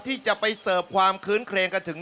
ที่จะไปเสิร์ฟความคื้นเครงกันถึง